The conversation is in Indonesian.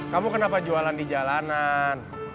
kamu kenapa jualan di jalanan